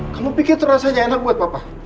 kamu pikir itu rasanya enak buat papa